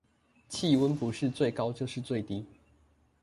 氣溫不是最高就是最低